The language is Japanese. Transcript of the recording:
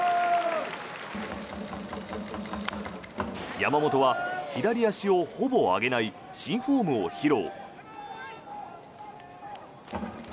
山本は左足をほぼ上げない新フォームを披露。